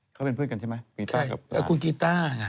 เขาเป็นเพื่อนกันใช่ไหมคุณกีต้า